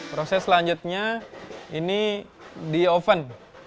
proses selanjutnya ini di oven